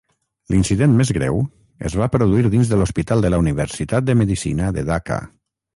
L'incident més greu es va produir dins de l'hospital de la universitat de medicina de Dhaka.